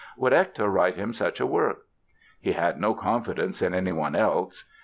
Would Hector write him such a work? He had no confidence in anyone else.